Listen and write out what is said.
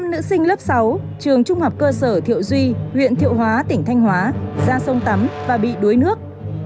năm nữ sinh lớp sáu trường trung hợp cơ sở thiệu duy huyện thiệu hóa tỉnh thanh hóa ra sông tắm và bị đuối nước